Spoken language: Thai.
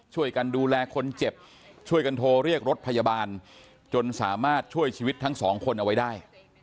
ช่วยกันดูแลคนเจ็บช่วยกันโทรเรียกรถพยาบาลจนสามารถช่วยชีวิตทั้งสองคนเอาไว้ได้